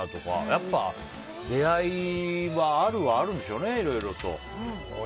やっぱ、出会いはあるはあるんでしょうね、いろいろと。